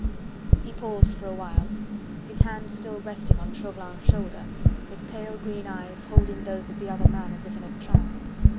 He paused for a while, his hand still resting on Chauvelin's shoulder, his pale green eyes holding those of the other man as if in a trance.